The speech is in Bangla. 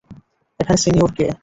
এখানে সিনিয়র কে?